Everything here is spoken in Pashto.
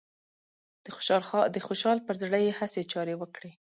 د خوشحال پر زړه يې هسې چارې وکړې